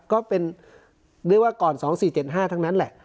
ก็เป็นเรียกว่าก่อนสองสี่เจ็ดห้าทั้งนั้นแหละ